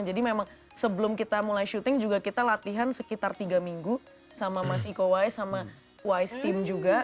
jadi memang sebelum kita mulai shooting juga kita latihan sekitar tiga minggu sama mas iko weiss sama weiss team juga